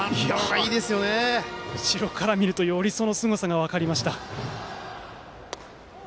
後ろから見るとよりすごさが分かりました。